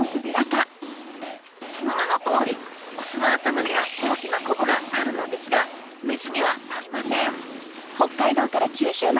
その名のとおりオスの頭には大きなコブがあるのですがメスにはありません